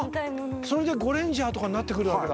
それで「ゴレンジャー」とかになってくるわけだ。